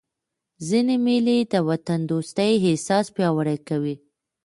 ځيني مېلې د وطن دوستۍ احساس پیاوړی کوي.